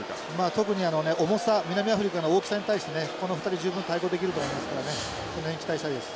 特に重さ南アフリカの大きさに対してねこの２人十分対抗できると思いますからねその辺期待したいです。